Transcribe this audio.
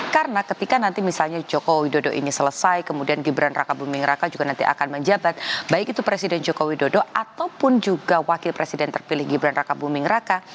karena ketika nanti misalnya jokowi dodo ini selesai kemudian gibran raka buming raka juga nanti akan menjabat baik itu presiden jokowi dodo ataupun juga wakil presiden terpilih gibran raka buming raka